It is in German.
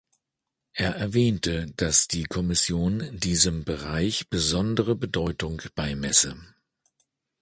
Er erwähnte, dass die Kommission diesem Bereich besondere Bedeutung beimesse.